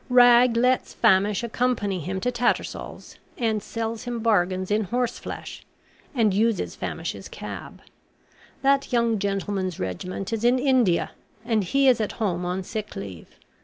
Rag lets Famish accompany him to Tattersall's, and sells him bargains in horse flesh, and uses Famish's cab. That young gentleman's regiment is in India, and he is at home on sick leave.